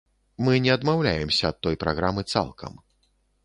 Мы не адмаўляемся ад той праграмы цалкам.